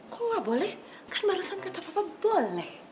kok gak boleh kan barusan kata papa boleh